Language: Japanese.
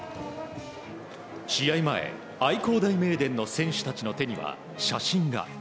試合前、愛工大名電の選手たちの手には写真が。